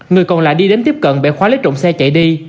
người còn lại đi đến tiếp cận bẹ khóa lấy trộm xe chạy đi